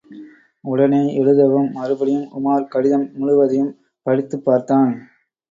உடனே எழுதவும். மறுபடியும் உமார் கடிதம் முழுவதையும் படித்துப் பார்த்தான்.